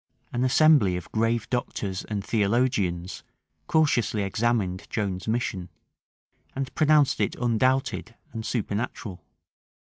An assembly of grave doctors and theologians cautiously examined Joan's mission, and pronounced it undoubted and supernatural.